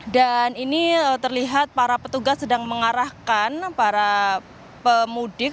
dan ini terlihat para petugas sedang mengarahkan para pemudik